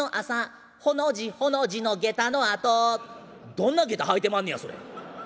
どんな下駄履いてまんねやそれ。